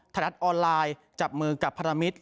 ไทรัตออนไลน์จับมือกับพนักธรรมิต